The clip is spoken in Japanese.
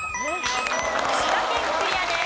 滋賀県クリアです。